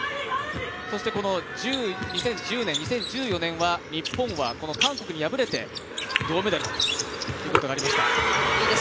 そしてこの２０１０年、２０１４年は日本はこの韓国に敗れて銅メダルということがありました。